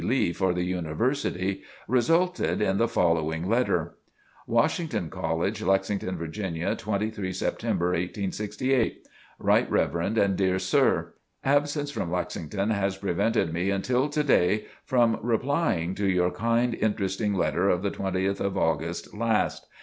Lee, for the University, resulted in the following letter: WASHINGTON COLLEGE, LEXINGTON, VA., 23 Sept., 1868. RT. REV'D. AND DEAR SIR, Absence from Lexington has prevented me until to day from replying to your kind interesting letter of the 20th of August last.